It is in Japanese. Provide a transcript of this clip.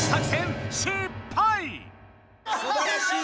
すばらしい！